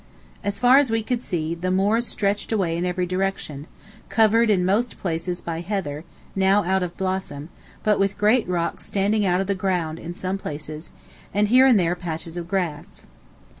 As far as we could see, the moors stretched away in every direction, covered in most places by heather, now out of blossom, but with great rocks standing out of the ground in some places, and here and there patches of grass.